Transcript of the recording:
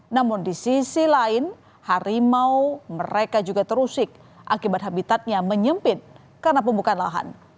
namun di sisi lain harimau mereka juga terusik akibat habitatnya menyempit karena pembukaan lahan